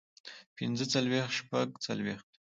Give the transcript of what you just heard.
پنځۀ څلوېښت شپږ څلوېښت